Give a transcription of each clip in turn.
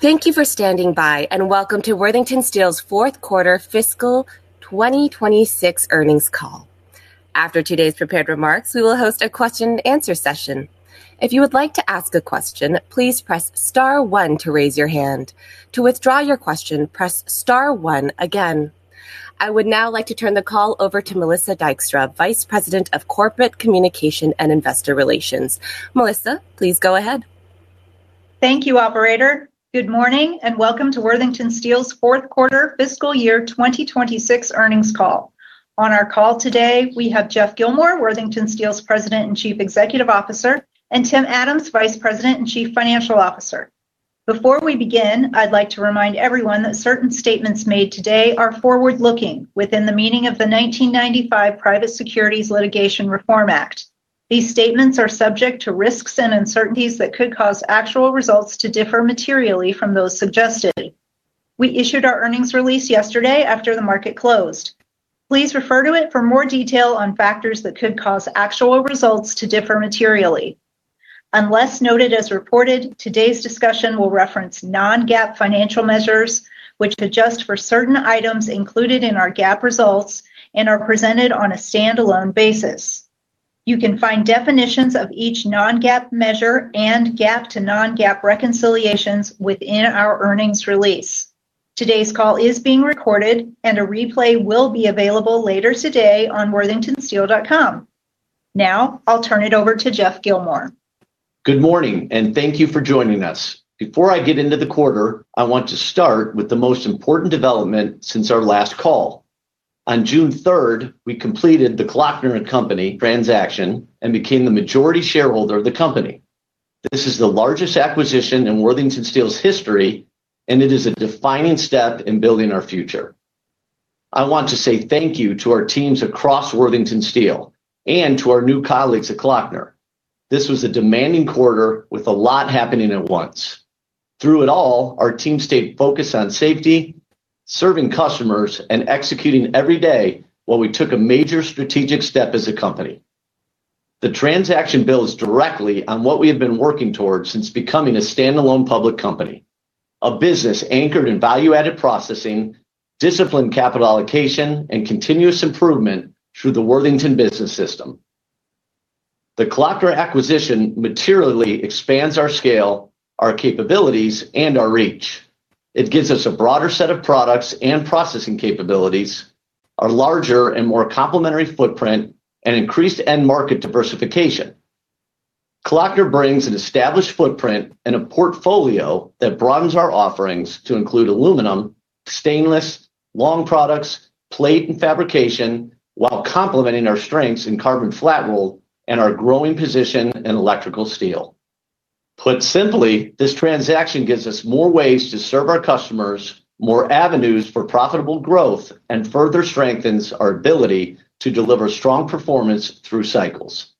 Thank you for standing by, and welcome to Worthington Steel's fourth quarter fiscal 2026 earnings call. After today's prepared remarks, we will host a question-and-answer session. If you would like to ask a question, please press star one to raise your hand. To withdraw your question, press star one again. I would now like to turn the call over to Melissa Dykstra, Vice President of Corporate Communications and Investor Relations. Melissa, please go ahead. Thank you, operator. Good morning and welcome to Worthington Steel's fourth quarter fiscal year 2026 earnings call. On our call today, we have Geoff Gilmore, Worthington Steel's President and Chief Executive Officer, and Tim Adams, Vice President and Chief Financial Officer. Before we begin, I'd like to remind everyone that certain statements made today are forward-looking within the meaning of the 1995 Private Securities Litigation Reform Act. These statements are subject to risks and uncertainties that could cause actual results to differ materially from those suggested. We issued our earnings release yesterday after the market closed. Please refer to it for more detail on factors that could cause actual results to differ materially. Unless noted as reported, today's discussion will reference non-GAAP financial measures, which adjust for certain items included in our GAAP results and are presented on a standalone basis. You can find definitions of each non-GAAP measure and GAAP to non-GAAP reconciliations within our earnings release. Today's call is being recorded, and a replay will be available later today on worthingtonsteel.com. Now, I'll turn it over to Geoff Gilmore. Good morning, and thank you for joining us. Before I get into the quarter, I want to start with the most important development since our last call. On June 3rd, we completed the Klöckner & Co. transaction and became the majority shareholder of the company. This is the largest acquisition in Worthington Steel's history, and it is a defining step in building our future. I want to say thank you to our teams across Worthington Steel and to our new colleagues at Klöckner. This was a demanding quarter with a lot happening at once. Through it all, our team stayed focused on safety, serving customers, and executing every day while we took a major strategic step as a company. The transaction builds directly on what we have been working towards since becoming a standalone public company. A business anchored in value-added processing, disciplined capital allocation, and continuous improvement through the Worthington Business System. The Klöckner acquisition materially expands our scale, our capabilities, and our reach. It gives us a broader set of products and processing capabilities, a larger and more complementary footprint, and increased end market diversification. Klöckner brings an established footprint and a portfolio that broadens our offerings to include aluminum, stainless, long products, plate and fabrication, while complementing our strengths in carbon flat roll and our growing position in electrical steel. Put simply, this transaction gives us more ways to serve our customers, more avenues for profitable growth, and further strengthens our ability to deliver strong performance through cycles.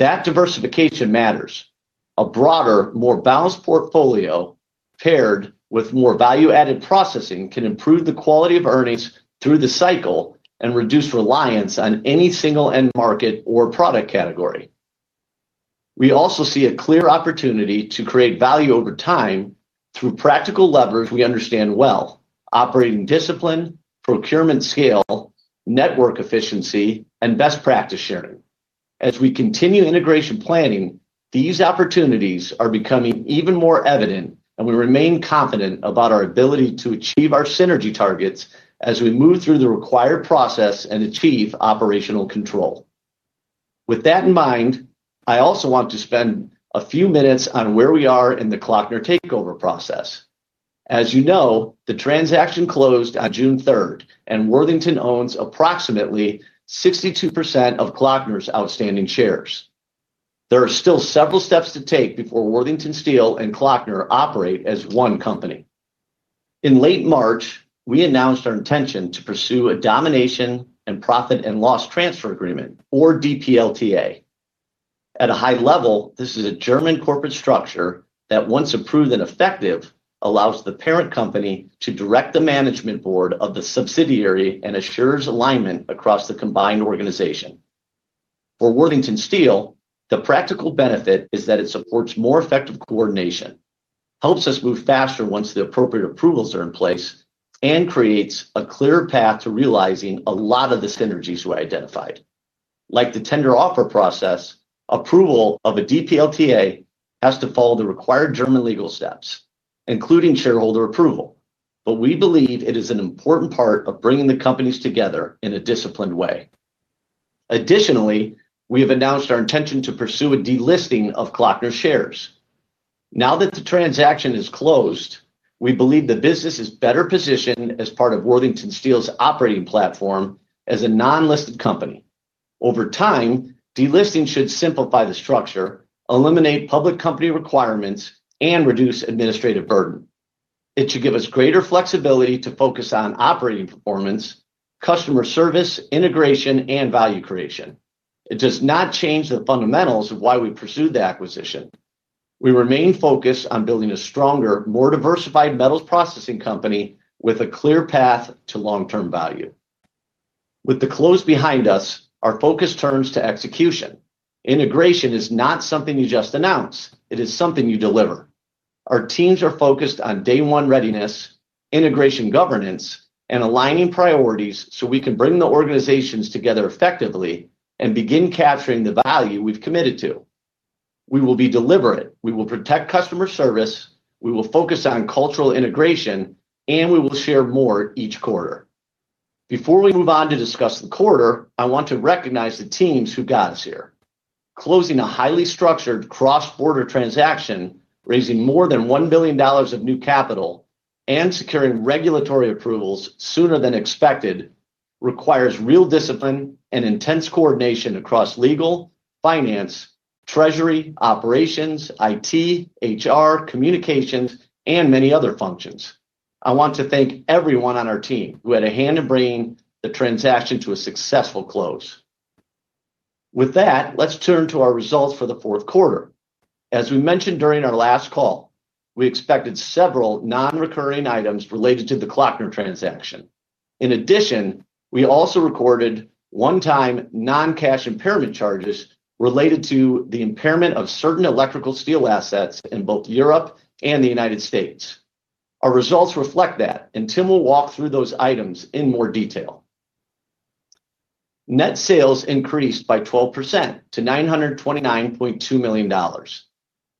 That diversification matters. A broader, more balanced portfolio paired with more value-added processing can improve the quality of earnings through the cycle and reduce reliance on any single end market or product category. We also see a clear opportunity to create value over time through practical levers we understand well: operating discipline, procurement scale, network efficiency, and best practice sharing. As we continue integration planning, these opportunities are becoming even more evident, and we remain confident about our ability to achieve our synergy targets as we move through the required process and achieve operational control. With that in mind, I also want to spend a few minutes on where we are in the Klöckner takeover process. As you know, the transaction closed on June 3rd, and Worthington owns approximately 62% of Klöckner's outstanding shares. There are still several steps to take before Worthington Steel and Klöckner operate as one company. In late March, we announced our intention to pursue a domination and profit and loss transfer agreement or DPLTA. At a high level, this is a German corporate structure that, once approved and effective, allows the parent company to direct the management board of the subsidiary and assures alignment across the combined organization. For Worthington Steel, the practical benefit is that it supports more effective coordination, helps us move faster once the appropriate approvals are in place, and creates a clearer path to realizing a lot of the synergies we identified. Like the tender offer process, approval of a DPLTA has to follow the required German legal steps, including shareholder approval. We believe it is an important part of bringing the companies together in a disciplined way. Additionally, we have announced our intention to pursue a delisting of Klöckner shares. Now that the transaction is closed, we believe the business is better positioned as part of Worthington Steel's operating platform as a non-listed company. Over time, delisting should simplify the structure, eliminate public company requirements, and reduce administrative burden. It should give us greater flexibility to focus on operating performance, customer service, integration, and value creation. It does not change the fundamentals of why we pursued the acquisition. We remain focused on building a stronger, more diversified metals processing company with a clear path to long-term value. With the close behind us, our focus turns to execution. Integration is not something you just announce. It is something you deliver. Our teams are focused on day one readiness, integration governance, and aligning priorities so we can bring the organizations together effectively and begin capturing the value we've committed to. We will be deliberate. We will protect customer service, we will focus on cultural integration, and we will share more each quarter. Before we move on to discuss the quarter, I want to recognize the teams who got us here. Closing a highly structured cross-border transaction, raising more than $1 billion of new capital, and securing regulatory approvals sooner than expected requires real discipline and intense coordination across legal, finance, treasury, operations, IT, HR, communications, and many other functions. I want to thank everyone on our team who had a hand in bringing the transaction to a successful close. With that, let's turn to our results for the fourth quarter. As we mentioned during our last call, we expected several non-recurring items related to the Klöckner transaction. In addition, we also recorded one-time non-cash impairment charges related to the impairment of certain electrical steel assets in both Europe and the United States. Our results reflect that, and Tim will walk through those items in more detail. Net sales increased by 12% to $929.2 million.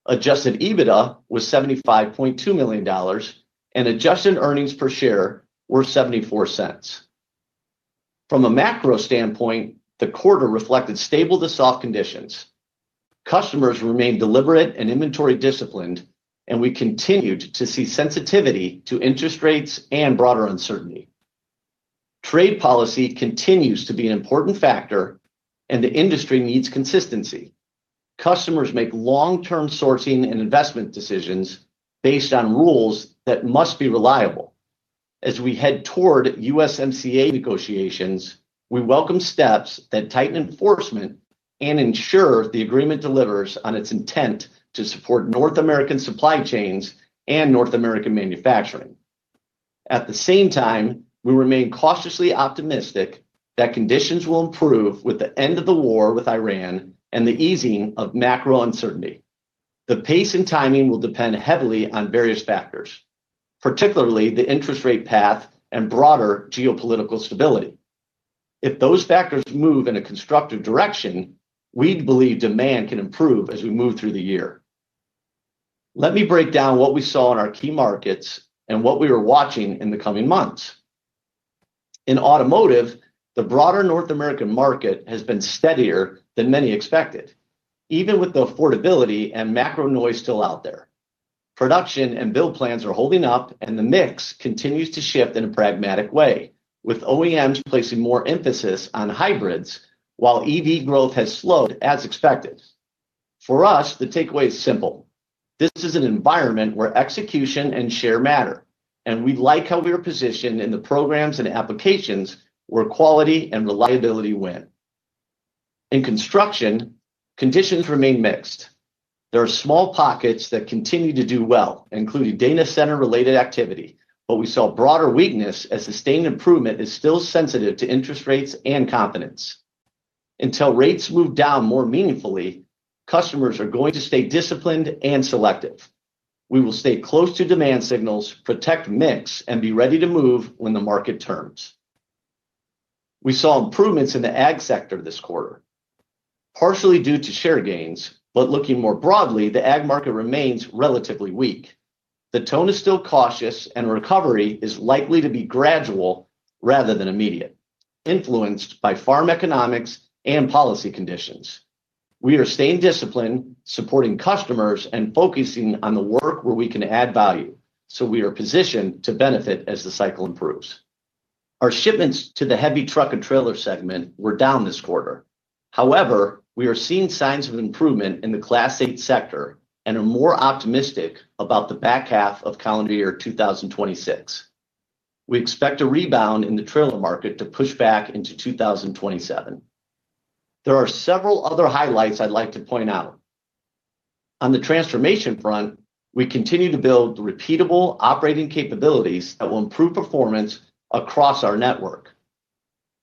Adjusted EBITDA was $75.2 million, adjusted earnings per share were $0.74. From a macro standpoint, the quarter reflected stable to soft conditions. Customers remained deliberate and inventory disciplined, we continued to see sensitivity to interest rates and broader uncertainty. Trade policy continues to be an important factor, the industry needs consistency. Customers make long-term sourcing and investment decisions based on rules that must be reliable. As we head toward USMCA negotiations, we welcome steps that tighten enforcement and ensure the agreement delivers on its intent to support North American supply chains and North American manufacturing. At the same time, we remain cautiously optimistic that conditions will improve with the end of the war with Iran and the easing of macro uncertainty. The pace and timing will depend heavily on various factors, particularly the interest rate path and broader geopolitical stability. If those factors move in a constructive direction, we believe demand can improve as we move through the year. Let me break down what we saw in our key markets and what we are watching in the coming months. In automotive, the broader North American market has been steadier than many expected, even with the affordability and macro noise still out there. Production and build plans are holding up, the mix continues to shift in a pragmatic way, with OEMs placing more emphasis on hybrids while EV growth has slowed as expected. For us, the takeaway is simple: this is an environment where execution and share matter. We like how we are positioned in the programs and applications where quality and reliability win. In construction, conditions remain mixed. There are small pockets that continue to do well, including data center-related activity, we saw broader weakness as sustained improvement is still sensitive to interest rates and confidence. Until rates move down more meaningfully, customers are going to stay disciplined and selective. We will stay close to demand signals, protect mix, and be ready to move when the market turns. We saw improvements in the ag sector this quarter, partially due to share gains. Looking more broadly, the ag market remains relatively weak. The tone is still cautious, recovery is likely to be gradual rather than immediate, influenced by farm economics and policy conditions. We are staying disciplined, supporting customers, focusing on the work where we can add value, we are positioned to benefit as the cycle improves. Our shipments to the heavy truck and trailer segment were down this quarter. We are seeing signs of improvement in the Class 8 sector and are more optimistic about the back half of calendar year 2026. We expect a rebound in the trailer market to push back into 2027. There are several other highlights I'd like to point out. On the transformation front, we continue to build repeatable operating capabilities that will improve performance across our network.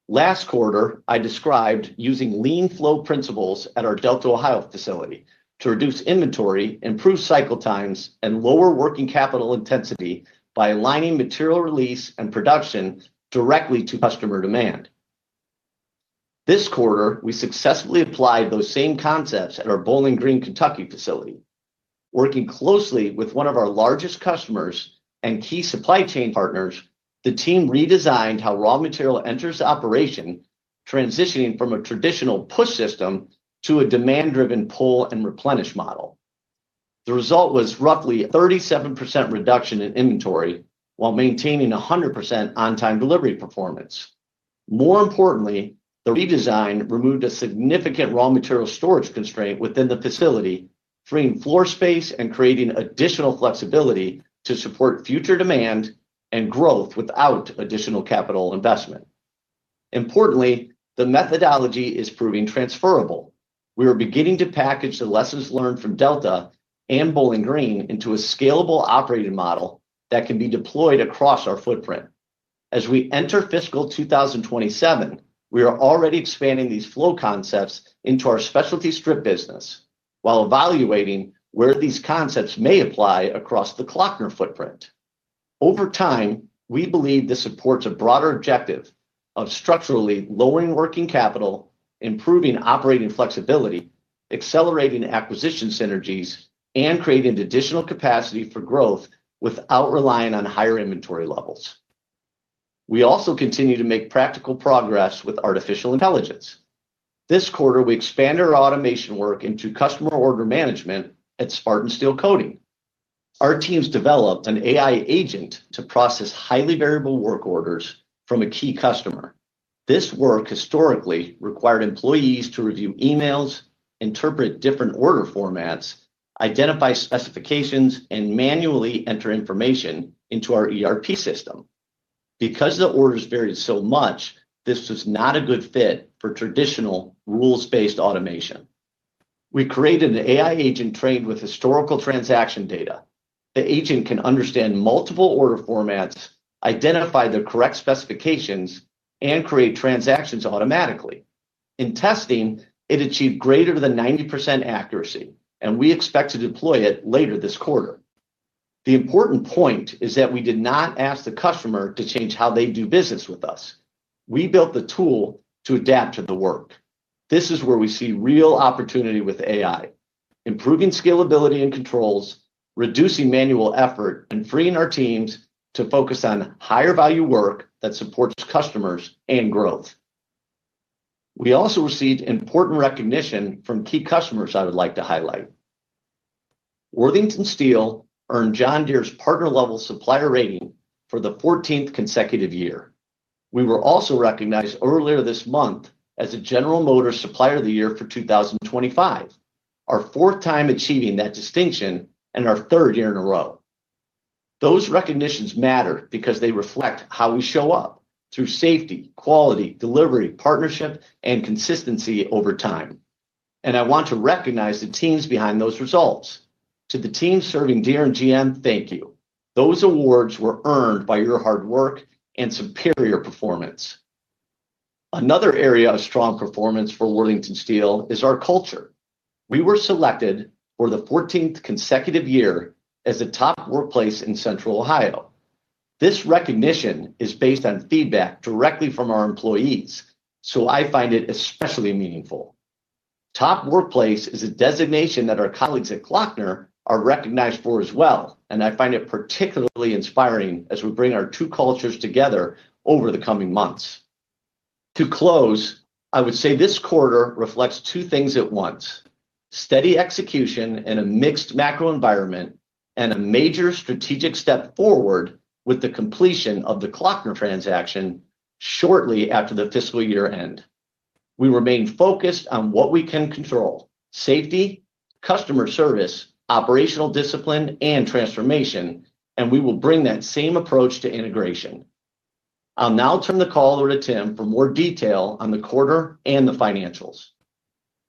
Last quarter, I described using lean flow principles at our Delta, Ohio, facility to reduce inventory, improve cycle times, and lower working capital intensity by aligning material release and production directly to customer demand. This quarter, we successfully applied those same concepts at our Bowling Green, Kentucky, facility. Working closely with one of our largest customers and key supply chain partners, the team redesigned how raw material enters the operation, transitioning from a traditional push system to a demand-driven pull and replenish model. The result was roughly a 37% reduction in inventory while maintaining 100% on-time delivery performance. More importantly, the redesign removed a significant raw material storage constraint within the facility, freeing floor space, and creating additional flexibility to support future demand and growth without additional capital investment. Importantly, the methodology is proving transferable. We are beginning to package the lessons learned from Delta and Bowling Green into a scalable operating model that can be deployed across our footprint. As we enter fiscal 2027, we are already expanding these flow concepts into our specialty strip business while evaluating where these concepts may apply across the Klöckner footprint. Over time, we believe this supports a broader objective of structurally lowering working capital, improving operating flexibility, accelerating acquisition synergies, and creating additional capacity for growth without relying on higher inventory levels. We also continue to make practical progress with artificial intelligence. This quarter, we expand our automation work into customer order management at Spartan Steel Coating. Our teams developed an AI agent to process highly variable work orders from a key customer. This work historically required employees to review emails, interpret different order formats, identify specifications, and manually enter information into our ERP system. Because the orders varied so much, this was not a good fit for traditional rules-based automation. We created an AI agent trained with historical transaction data. The agent can understand multiple order formats, identify the correct specifications, and create transactions automatically. In testing, it achieved greater than 90% accuracy, and we expect to deploy it later this quarter. The important point is that we did not ask the customer to change how they do business with us. We built the tool to adapt to the work. This is where we see real opportunity with AI, improving scalability and controls, reducing manual effort, and freeing our teams to focus on higher-value work that supports customers and growth. We also received important recognition from key customers I would like to highlight. Worthington Steel earned John Deere's partner level supplier rating for the 14th consecutive year. We were also recognized earlier this month as a General Motors Supplier of the Year for 2025, our fourth time achieving that distinction and our third year in a row. Those recognitions matter because they reflect how we show up through safety, quality, delivery, partnership, and consistency over time, and I want to recognize the teams behind those results. To the teams serving Deere and GM, thank you. Those awards were earned by your hard work and superior performance. Another area of strong performance for Worthington Steel is our culture. We were selected for the 14th consecutive year as a Top Workplace in Central Ohio. This recognition is based on feedback directly from our employees, so I find it especially meaningful. Top Workplace is a designation that our colleagues at Klöckner are recognized for as well, and I find it particularly inspiring as we bring our two cultures together over the coming months. To close, I would say this quarter reflects two things at once, steady execution in a mixed macro environment, and a major strategic step forward with the completion of the Klöckner transaction shortly after the fiscal year-end. We remain focused on what we can control, safety, customer service, operational discipline, and transformation, and we will bring that same approach to integration. I will now turn the call over to Tim for more detail on the quarter and the financials.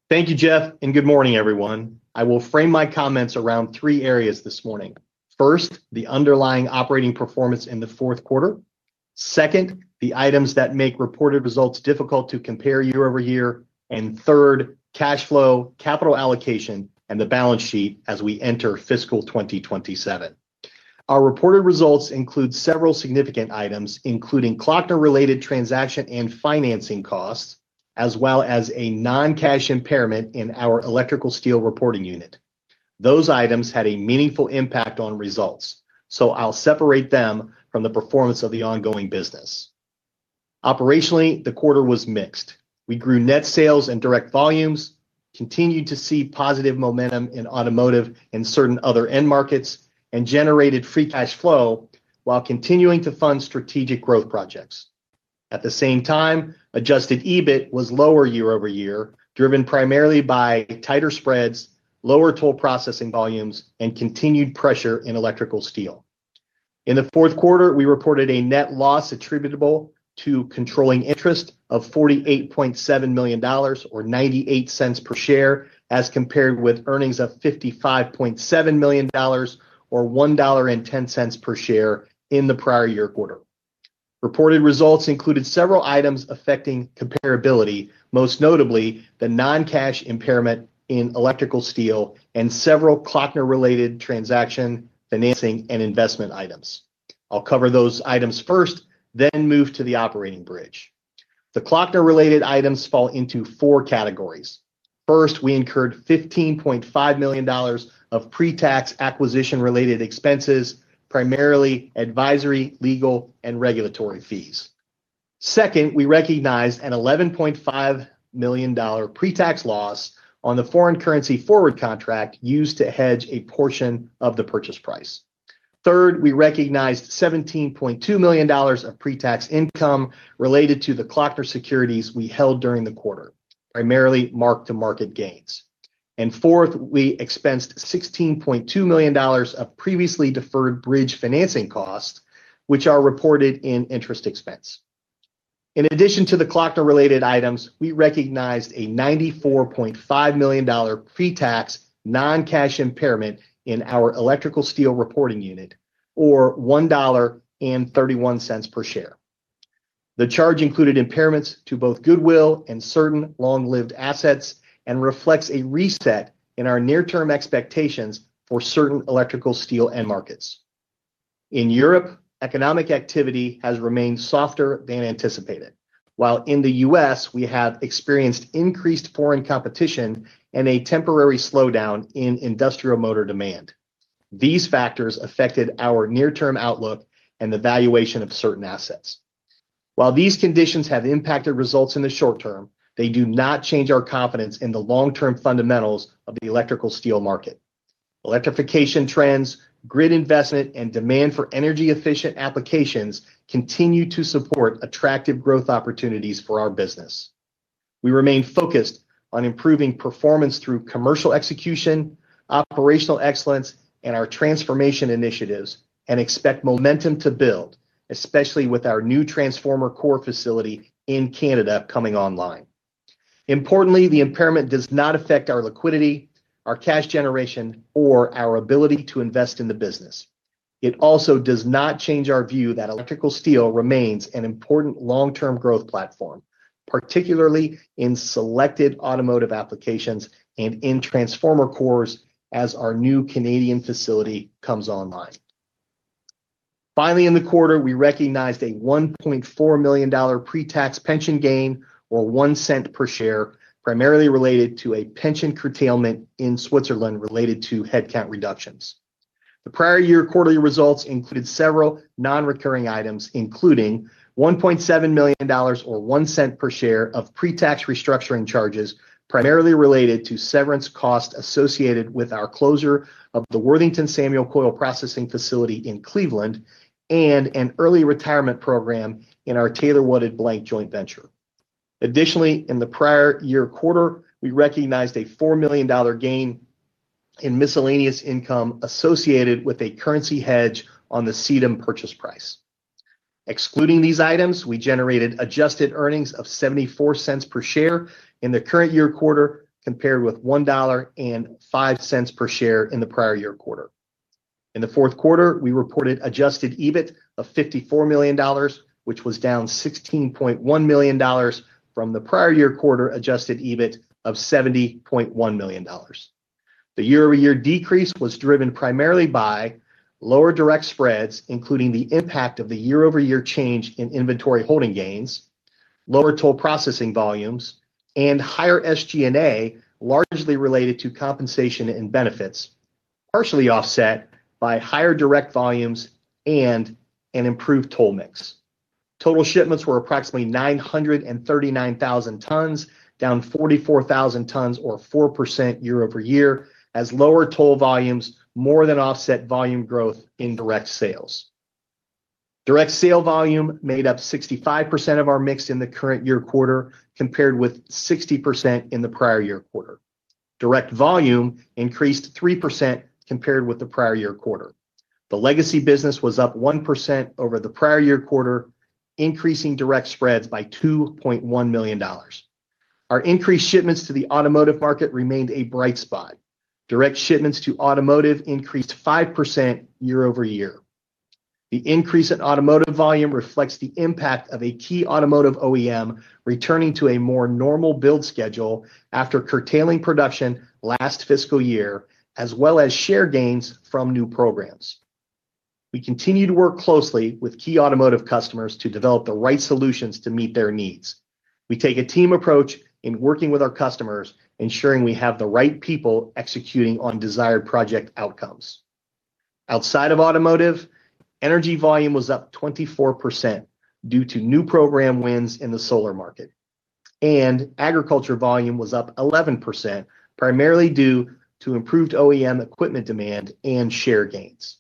Thank you, Geoff, and good morning, everyone. I will frame my comments around three areas this morning. First, the underlying operating performance in the fourth quarter. Second, the items that make reported results difficult to compare year-over-year, and third, cash flow, capital allocation, and the balance sheet as we enter fiscal 2027. Our reported results include several significant items, including Klöckner-related transaction and financing costs, as well as a non-cash impairment in our electrical steel reporting unit. Those items had a meaningful impact on results, so I will separate them from the performance of the ongoing business. Operationally, the quarter was mixed. We grew net sales and direct volumes, continued to see positive momentum in automotive and certain other end markets, and generated free cash flow while continuing to fund strategic growth projects. At the same time, adjusted EBIT was lower year-over-year, driven primarily by tighter spreads, lower toll processing volumes, and continued pressure in electrical steel. In the fourth quarter, we reported a net loss attributable to controlling interest of $48.7 million, or $0.98 per share, as compared with earnings of $55.7 million, or $1.10 per share, in the prior year quarter. Reported results included several items affecting comparability, most notably the non-cash impairment in electrical steel and several Klöckner-related transaction financing and investment items. I will cover those items first, then move to the operating bridge. The Klöckner-related items fall into four categories. First, we incurred $15.5 million of pre-tax acquisition related expenses, primarily advisory, legal, and regulatory fees. Second, we recognized an $11.5 million pre-tax loss on the foreign currency forward contract used to hedge a portion of the purchase price. Third, we recognized $17.2 million of pre-tax income related to the Klöckner securities we held during the quarter, primarily mark-to-market gains. Fourth, we expensed $16.2 million of previously deferred bridge financing costs, which are reported in interest expense. In addition to the Klöckner-related items, we recognized a $94.5 million pre-tax non-cash impairment in our electrical steel reporting unit or $1.31 per share. The charge included impairments to both goodwill and certain long-lived assets and reflects a reset in our near-term expectations for certain electrical steel end markets. In Europe, economic activity has remained softer than anticipated. While in the U.S., we have experienced increased foreign competition and a temporary slowdown in industrial motor demand. These factors affected our near-term outlook and the valuation of certain assets. While these conditions have impacted results in the short term, they do not change our confidence in the long-term fundamentals of the electrical steel market. Electrification trends, grid investment, and demand for energy-efficient applications continue to support attractive growth opportunities for our business. We remain focused on improving performance through commercial execution, operational excellence, and our transformation initiatives, and expect momentum to build, especially with our new transformer core facility in Canada coming online. Importantly, the impairment does not affect our liquidity, our cash generation, or our ability to invest in the business. It also does not change our view that electrical steel remains an important long-term growth platform, particularly in selected automotive applications and in transformer cores as our new Canadian facility comes online. Finally, in the quarter, we recognized a $1.4 million pre-tax pension gain or $0.01 per share, primarily related to a pension curtailment in Switzerland related to headcount reductions. The prior year quarterly results included several non-recurring items, including $1.7 million or $0.01 per share of pre-tax restructuring charges, primarily related to severance costs associated with our closure of the Worthington Samuel Coil Processing facility in Cleveland and an early retirement program in our TWB Company joint venture. Additionally, in the prior year quarter, we recognized a $4 million gain in miscellaneous income associated with a currency hedge on the Sitem purchase price. Excluding these items, we generated adjusted earnings of $0.74 per share in the current year quarter, compared with $1.05 per share in the prior year quarter. In the fourth quarter, we reported adjusted EBIT of $54 million, which was down $16.1 million from the prior year quarter adjusted EBIT of $70.1 million. The year-over-year decrease was driven primarily by lower direct spreads, including the impact of the year-over-year change in inventory holding gains, lower toll processing volumes, and higher SG&A, largely related to compensation and benefits, partially offset by higher direct volumes and an improved toll mix. Total shipments were approximately 939,000 tons, down 44,000 tons or 4% year-over-year, as lower toll volumes more than offset volume growth in direct sales. Direct sale volume made up 65% of our mix in the current year quarter, compared with 60% in the prior year quarter. Direct volume increased 3% compared with the year-over-year quarter. The legacy business was up 1% over the prior year quarter, increasing direct spreads by $2.1 million. Our increased shipments to the automotive market remained a bright spot. Direct shipments to automotive increased 5% year-over-year. The increase in automotive volume reflects the impact of a key automotive OEM returning to a more normal build schedule after curtailing production last fiscal year, as well as share gains from new programs. We continue to work closely with key automotive customers to develop the right solutions to meet their needs. We take a team approach in working with our customers, ensuring we have the right people executing on desired project outcomes. Outside of automotive, energy volume was up 24% due to new program wins in the solar market, and agriculture volume was up 11%, primarily due to improved OEM equipment demand and share gains.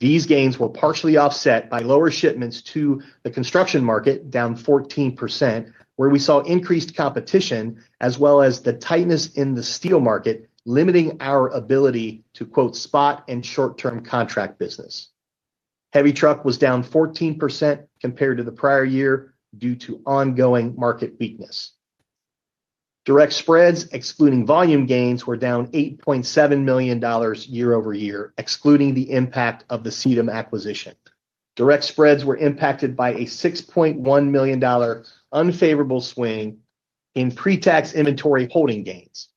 These gains were partially offset by lower shipments to the construction market, down 14%, where we saw increased competition as well as the tightness in the steel market limiting our ability to "spot and short-term contract business." Heavy truck was down 14% compared to the prior year due to ongoing market weakness. Direct spreads, excluding volume gains, were down $8.7 million year-over-year, excluding the impact of the Sitem acquisition. Direct spreads were impacted by a $6.1 million unfavorable swing in pre-tax inventory holding gains.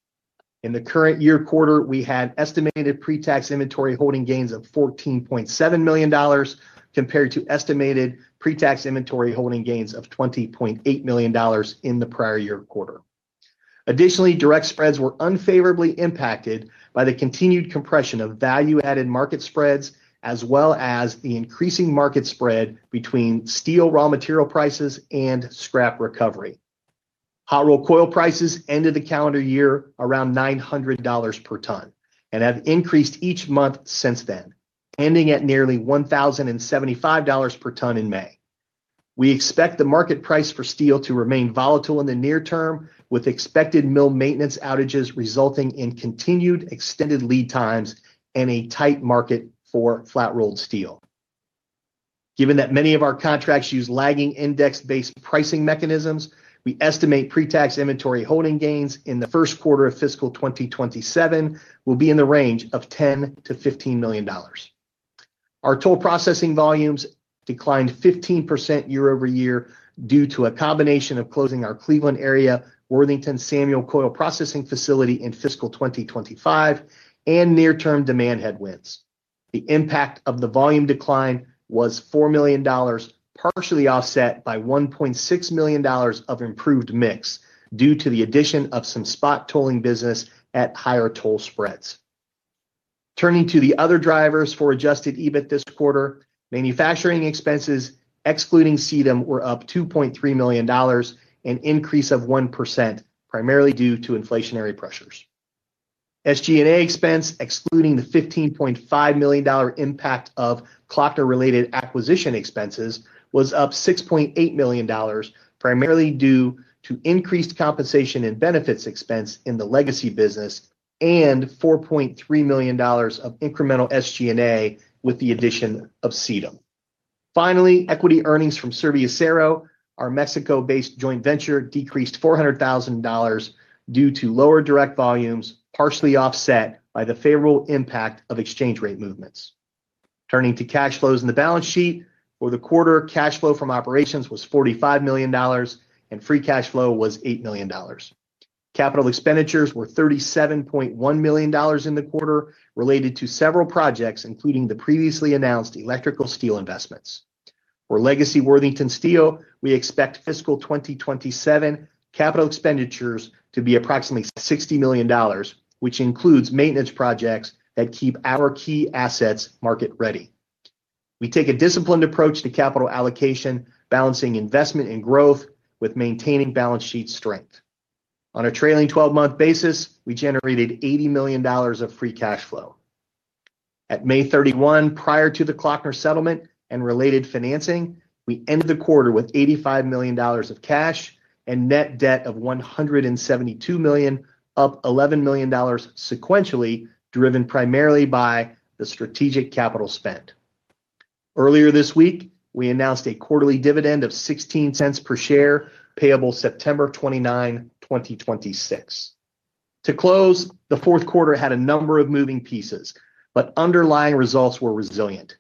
In the current year quarter, we had estimated pre-tax inventory holding gains of $14.7 million, compared to estimated pre-tax inventory holding gains of $20.8 million in the prior year quarter. Additionally, direct spreads were unfavorably impacted by the continued compression of value-added market spreads, as well as the increasing market spread between steel raw material prices and scrap recovery. Hot rolled coil prices ended the calendar year around $900 per ton and have increased each month since then, ending at nearly $1,075 per ton in May. We expect the market price for steel to remain volatile in the near term, with expected mill maintenance outages resulting in continued extended lead times and a tight market for flat-rolled steel. Given that many of our contracts use lagging index-based pricing mechanisms, we estimate pre-tax inventory holding gains in the first quarter of fiscal 2027 will be in the range of $10 million-$15 million. Our toll processing volumes declined 15% year-over-year due to a combination of closing our Cleveland area Worthington Samuel Coil Processing facility in fiscal 2025 and near-term demand headwinds. The impact of the volume decline was $4 million, partially offset by $1.6 million of improved mix due to the addition of some spot tolling business at higher toll spreads. Turning to the other drivers for adjusted EBIT this quarter, manufacturing expenses excluding Sitem were up $2.3 million, an increase of 1%, primarily due to inflationary pressures. SG&A expense, excluding the $15.5 million impact of Klöckner-related acquisition expenses, was up $6.8 million, primarily due to increased compensation and benefits expense in the legacy business and $4.3 million of incremental SG&A with the addition of Sitem. Finally, equity earnings from Serviacero, our Mexico-based joint venture, decreased $400,000 due to lower direct volumes, partially offset by the favorable impact of exchange rate movements. Turning to cash flows in the balance sheet, for the quarter, cash flow from operations was $45 million, and free cash flow was $8 million. Capital expenditures were $37.1 million in the quarter related to several projects, including the previously announced electrical steel investments. For legacy Worthington Steel, we expect fiscal 2027 capital expenditures to be approximately $60 million, which includes maintenance projects that keep our key assets market-ready. We take a disciplined approach to capital allocation, balancing investment and growth with maintaining balance sheet strength. On a trailing 12-month basis, we generated $80 million of free cash flow. At May 31, prior to the Klöckner settlement and related financing, we ended the quarter with $85 million of cash and net debt of $172 million, up $11 million sequentially, driven primarily by the strategic capital spend. Earlier this week, we announced a quarterly dividend of $0.16 per share, payable September 29, 2026. To close, the fourth quarter had a number of moving pieces, but underlying results were resilient.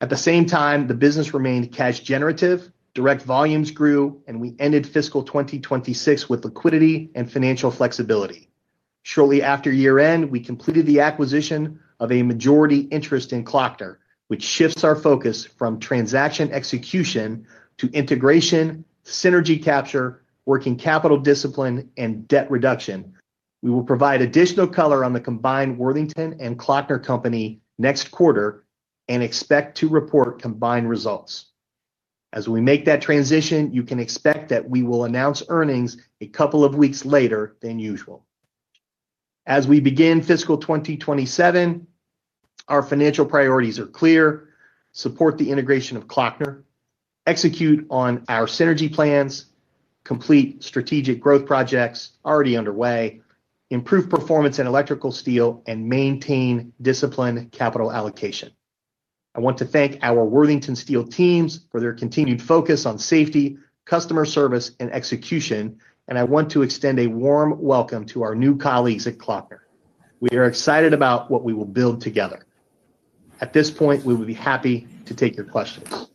At the same time, the business remained cash generative, direct volumes grew, and we ended fiscal 2026 with liquidity and financial flexibility. Shortly after year-end, we completed the acquisition of a majority interest in Klöckner, which shifts our focus from transaction execution to integration, synergy capture, working capital discipline, and debt reduction. We will provide additional color on the combined Worthington and Klöckner company next quarter and expect to report combined results. As we make that transition, you can expect that we will announce earnings a couple of weeks later than usual. As we begin fiscal 2027, our financial priorities are clear: support the integration of Klöckner, execute on our synergy plans, complete strategic growth projects already underway, improve performance in electrical steel, and maintain disciplined capital allocation. I want to thank our Worthington Steel teams for their continued focus on safety, customer service, and execution, and I want to extend a warm welcome to our new colleagues at Klöckner. We are excited about what we will build together. At this point, we would be happy to take your questions.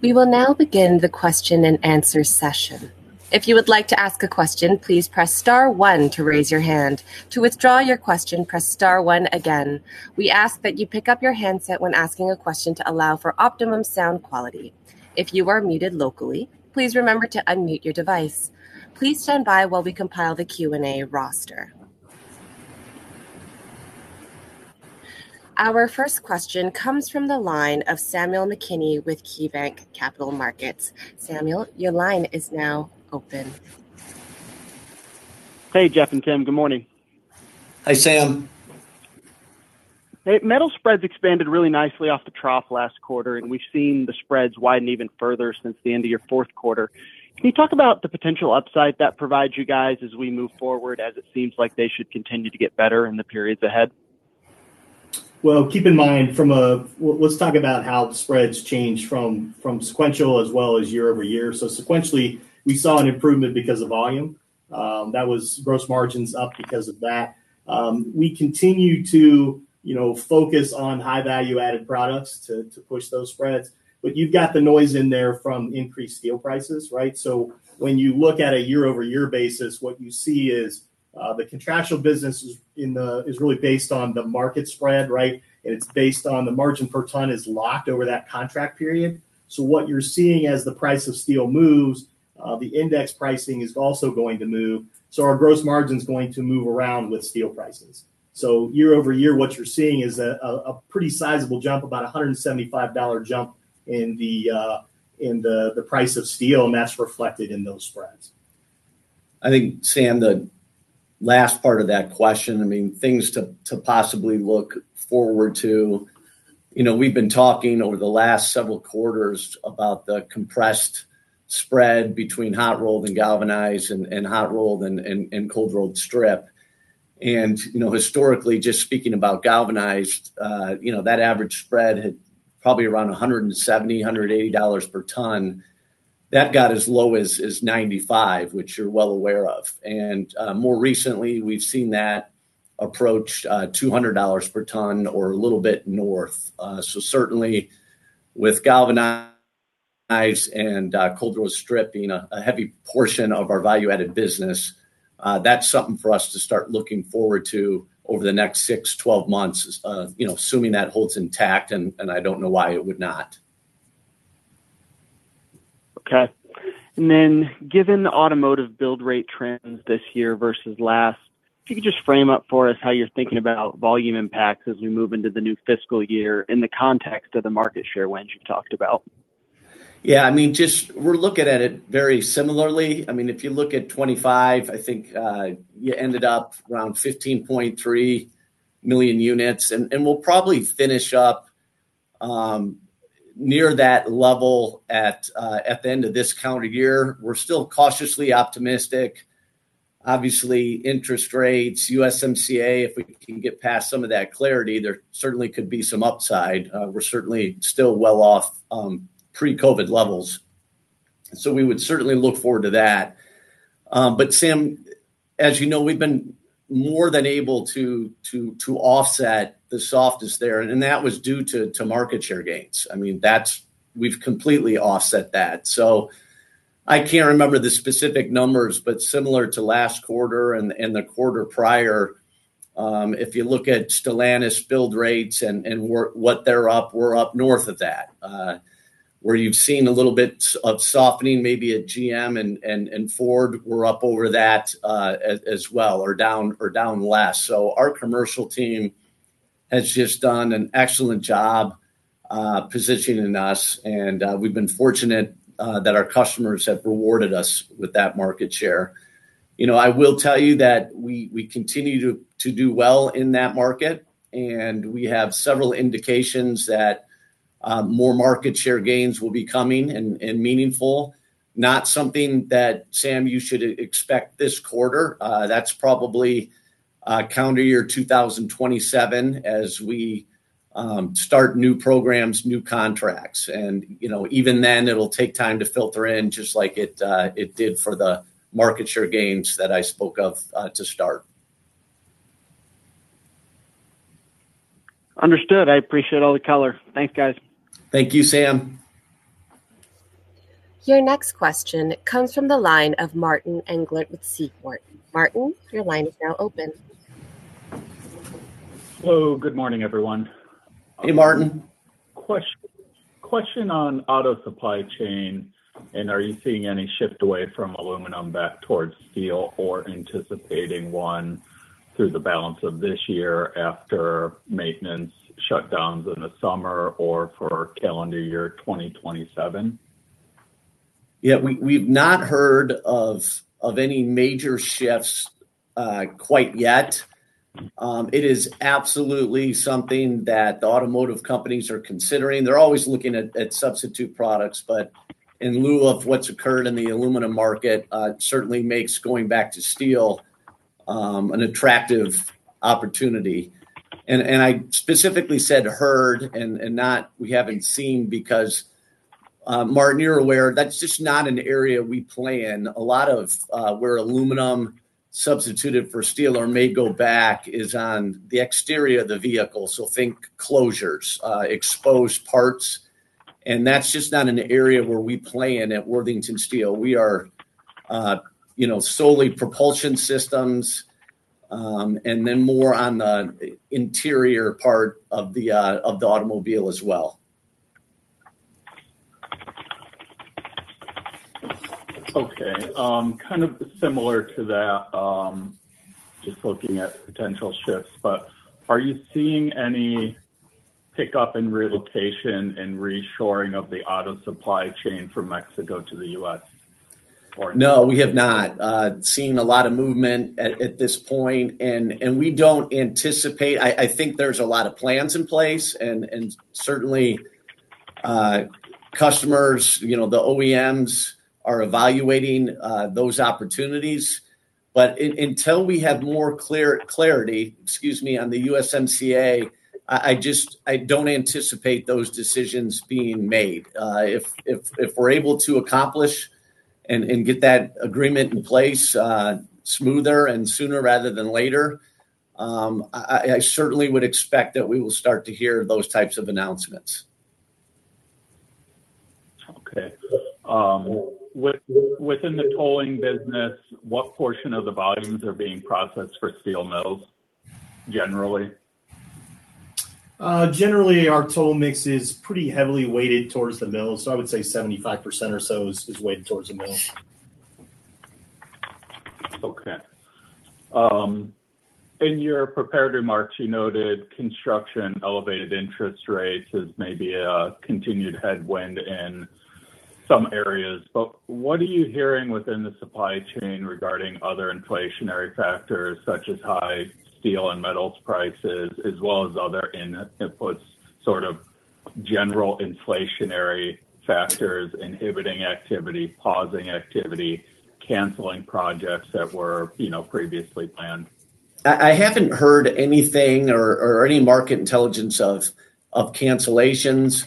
We will now begin the question-and-answer session. If you would like to ask a question, please press star one to raise your hand. To withdraw your question, press star one again. We ask that you pick up your handset when asking a question to allow for optimum sound quality. If you are muted locally, please remember to unmute your device. Please stand by while we compile the Q&A roster. Our first question comes from the line of Samuel McKinney with KeyBanc Capital Markets. Samuel, your line is now open. Hey, Geoff and Tim. Good morning. Hi, Sam. Hey. Metal spreads expanded really nicely off the trough last quarter. We've seen the spreads widen even further since the end of your fourth quarter. Can you talk about the potential upside that provides you guys as we move forward, as it seems like they should continue to get better in the periods ahead? Well, let's talk about how the spreads change from sequential as well as year-over-year. Sequentially, we saw an improvement because of volume. That was gross margins up because of that. We continue to focus on high value-added products to push those spreads. You've got the noise in there from increased steel prices, right? When you look at a year-over-year basis, what you see is the contractual business is really based on the market spread, right? It's based on the margin per ton is locked over that contract period. What you're seeing as the price of steel moves, the index pricing is also going to move. Our gross margin's going to move around with steel prices. Year-over-year, what you're seeing is a pretty sizable jump, about $175 jump in the price of steel. That's reflected in those spreads. I think, Sam, the last part of that question, things to possibly look forward to. We've been talking over the last several quarters about the compressed spread between hot-rolled and galvanized and hot-rolled and cold-rolled strip. Historically, just speaking about galvanized, that average spread had probably around $170-$180 per ton. That got as low as $95, which you're well aware of. More recently, we've seen that approach $200 per ton or a little bit north. Certainly with galvanized and cold-rolled strip being a heavy portion of our value-added business, that's something for us to start looking forward to over the next six, 12 months, assuming that holds intact, and I don't know why it would not. Given the automotive build rate trends this year versus last, if you could just frame up for us how you're thinking about volume impacts as we move into the new fiscal year in the context of the market share wins you talked about. We're looking at it very similarly. If you look at 2025, I think, you ended up around 15.3 million units, and we'll probably finish up near that level at the end of this calendar year. We're still cautiously optimistic. Obviously, interest rates, USMCA, if we can get past some of that clarity, there certainly could be some upside. We're certainly still well off pre-COVID levels. We would certainly look forward to that. Sam, as you know, we've been more than able to offset the softness there, and that was due to market share gains. We've completely offset that. I can't remember the specific numbers, but similar to last quarter and the quarter prior, if you look at Stellantis build rates and what they're up, we're up north of that. Where you've seen a little bit of softening, maybe at GM and Ford, we're up over that, as well, or down less. Our commercial team has just done an excellent job positioning us, and we've been fortunate that our customers have rewarded us with that market share. I will tell you that we continue to do well in that market, and we have several indications that more market share gains will be coming and meaningful. Not something that, Sam, you should expect this quarter. That's probably calendar year 2027 as we start new programs, new contracts. Even then, it'll take time to filter in just like it did for the market share gains that I spoke of to start. Understood. I appreciate all the color. Thanks, guys. Thank you, Sam. Your next question comes from the line of Martin Englert with Seaport. Martin, your line is now open. Hello. Good morning, everyone. Hey, Martin. Question on auto supply chain, are you seeing any shift away from aluminum back towards steel or anticipating one through the balance of this year after maintenance shutdowns in the summer or for calendar year 2027? Yeah. We've not heard of any major shifts quite yet. It is absolutely something that the automotive companies are considering. They're always looking at substitute products, but in lieu of what's occurred in the aluminum market, it certainly makes going back to steel an attractive opportunity. I specifically said heard and not we haven't seen because, Martin, you're aware that's just not an area we play in. A lot of where aluminum substituted for steel or may go back is on the exterior of the vehicle, so think closures, exposed parts, and that's just not an area where we play in at Worthington Steel. We are solely propulsion systems, and then more on the interior part of the automobile as well. Okay. Kind of similar to that, just looking at potential shifts, are you seeing any pickup in relocation and reshoring of the auto supply chain from Mexico to the U.S.? No, we have not seen a lot of movement at this point. We don't anticipate. I think there's a lot of plans in place. Certainly, customers, the OEMs, are evaluating those opportunities. Until we have more clarity, excuse me, on the USMCA, I don't anticipate those decisions being made. If we're able to accomplish and get that agreement in place smoother and sooner rather than later, I certainly would expect that we will start to hear those types of announcements. Okay. Within the tolling business, what portion of the volumes are being processed for steel mills generally? Generally, our toll mix is pretty heavily weighted towards the mills. I would say 75% or so is weighted towards the mills. Okay. In your prepared remarks, you noted construction, elevated interest rates as maybe a continued headwind in some areas. What are you hearing within the supply chain regarding other inflationary factors, such as high steel and metals prices, as well as other input costs? General inflationary factors inhibiting activity, pausing activity, canceling projects that were previously planned. I haven't heard anything or any market intelligence of cancellations.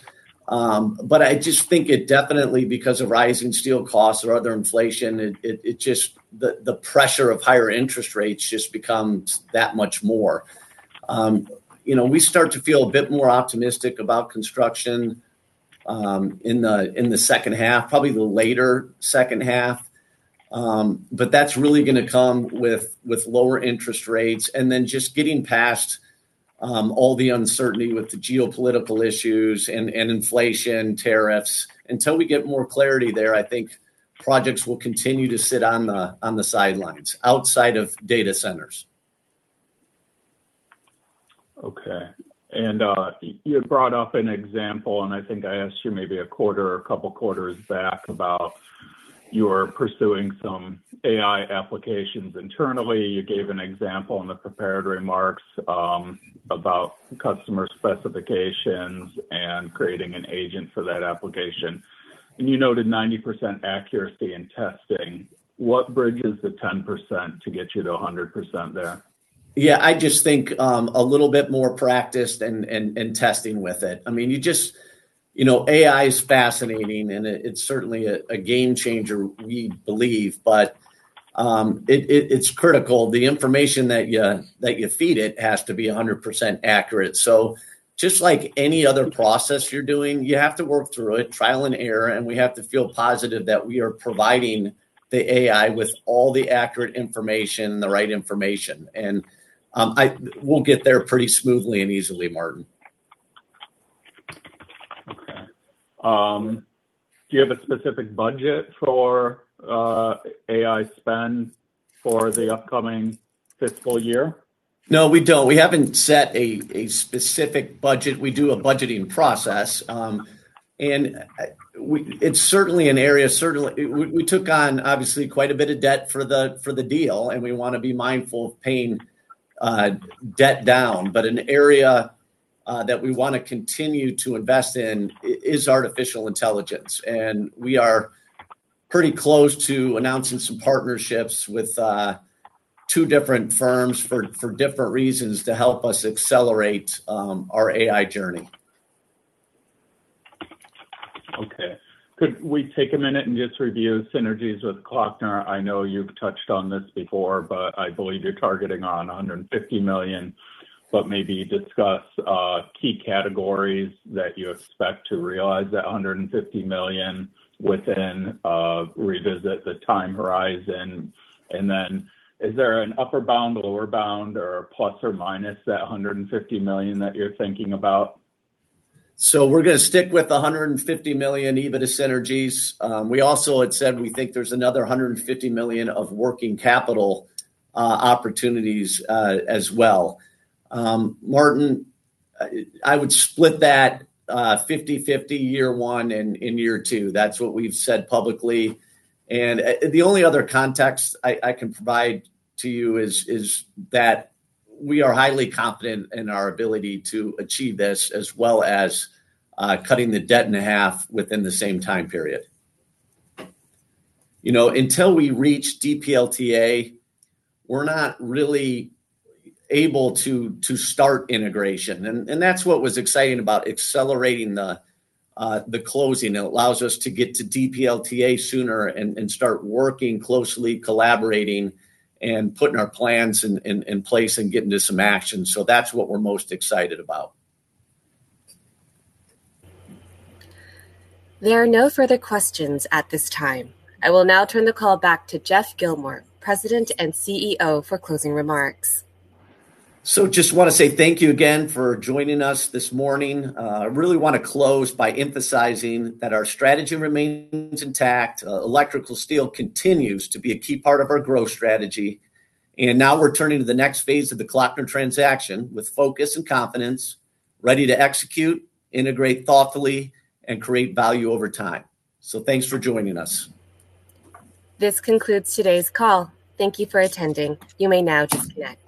I just think it definitely, because of rising steel costs or other inflation, the pressure of higher interest rates just becomes that much more. We start to feel a bit more optimistic about construction in the second half, probably the later second half. That's really going to come with lower interest rates, and then just getting past all the uncertainty with the geopolitical issues and inflation tariffs. Until we get more clarity there, I think projects will continue to sit on the sidelines, outside of data centers. Okay. You had brought up an example, and I think I asked you maybe a quarter or a couple quarters back about you are pursuing some AI applications internally. You gave an example in the prepared remarks about customer specifications and creating an agent for that application. You noted 90% accuracy in testing. What bridges the 10% to get you to 100% there? Yeah, I just think a little bit more practice and testing with it. AI is fascinating, and it's certainly a game changer, we believe. It's critical. The information that you feed it has to be 100% accurate. Just like any other process you're doing, you have to work through it, trial and error, and we have to feel positive that we are providing the AI with all the accurate information, the right information, and we'll get there pretty smoothly and easily, Martin. Okay. Do you have a specific budget for AI spend for the upcoming fiscal year? No, we don't. We haven't set a specific budget. We do a budgeting process. It's certainly an area. We took on, obviously, quite a bit of debt for the deal, and we want to be mindful of paying debt down. An area that we want to continue to invest in is artificial intelligence, and we are pretty close to announcing some partnerships with two different firms for different reasons to help us accelerate our AI journey. Okay. Could we take a minute and just review synergies with Klöckner? I know you've touched on this before, but I believe you're targeting on $150 million. Maybe discuss key categories that you expect to realize that $150 million within, revisit the time horizon. Is there an upper bound, lower bound, or a ±$150 million that you're thinking about? We're going to stick with $150 million EBITDA synergies. We also had said we think there's another $150 million of working capital opportunities as well. Martin, I would split that 50/50 year one and in year two. That's what we've said publicly. The only other context I can provide to you is that we are highly confident in our ability to achieve this, as well as cutting the debt in half within the same time period. Until we reach DPLTA, we're not really able to start integration. That's what was exciting about accelerating the closing. It allows us to get to DPLTA sooner and start working closely, collaborating, and putting our plans in place and getting to some action. That's what we're most excited about. There are no further questions at this time. I will now turn the call back to Geoff Gilmore, President and CEO, for closing remarks. Just want to say thank you again for joining us this morning. I really want to close by emphasizing that our strategy remains intact. Electrical steel continues to be a key part of our growth strategy. Now we're turning to the next phase of the Klöckner transaction with focus and confidence, ready to execute, integrate thoughtfully, and create value over time. Thanks for joining us. This concludes today's call. Thank you for attending. You may now disconnect.